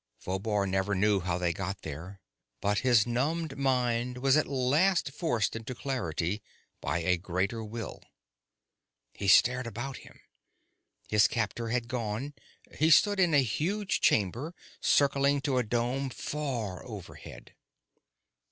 Phobar never knew how they got there, but his numbed mind was at last forced into clarity by a greater will. He stared about him. His captor had gone. He stood in a huge chamber circling to a dome far overhead.